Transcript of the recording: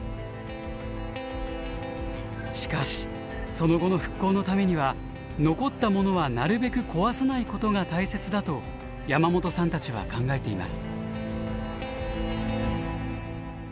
しかしその後の復興のためには残ったものはなるべく壊さないことが大切だと山本さんたちは考えています。